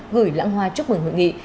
gửi lãng hoa chúc mừng hội nghị